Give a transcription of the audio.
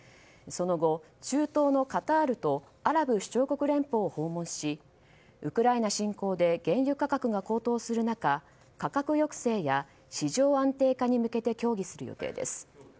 その後、中東のカタールとアラブ首長国連邦を訪問しウクライナ侵攻で原油価格が高騰する中価格抑制や市場安定化に向けて協議する予定です。